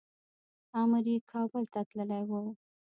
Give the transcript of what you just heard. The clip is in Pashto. امر یې کابل ته تللی و.